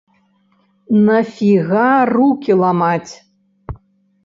На фіга рукі ламаць?